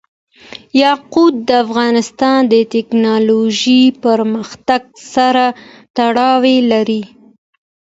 یاقوت د افغانستان د تکنالوژۍ پرمختګ سره تړاو لري.